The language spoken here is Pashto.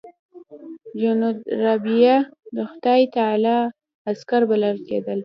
جنودالربانیه د خدای تعالی عسکر بلل کېدل.